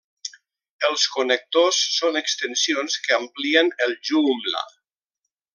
Els connectors són extensions que amplien el Joomla!